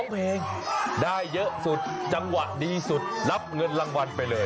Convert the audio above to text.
เพลงได้เยอะสุดจังหวะดีสุดรับเงินรางวัลไปเลย